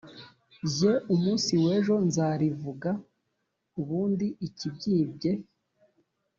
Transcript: jye umunsi wejo nzarivuga ubundi ikibyibye